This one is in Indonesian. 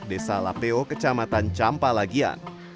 desa lapeo kecamatan campa lagian